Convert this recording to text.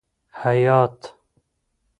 حیات